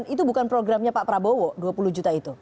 jadi itu bukan programnya pak prabowo dua puluh juta itu